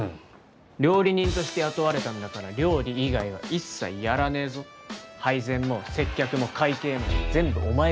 料理人として雇われたんだから料理以外は一切やらねえぞ。配膳も接客も会計も全部お前がやれ。